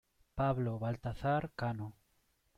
Pablo Baltazar Cano.